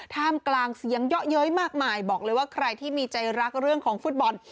ท่ามกลางเสียงเยอะเย้ยมากมายบอกเลยว่าใครที่มีใจรักเรื่องของฟุตบอล